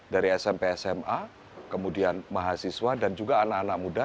dari smp sma kemudian mahasiswa dan juga anak anak muda